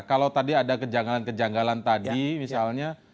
kalau tadi ada kejanggalan kejanggalan tadi misalnya